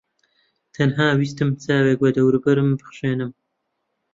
تەنها ویستم چاوێک بە دەوروبەرم بخشێنم.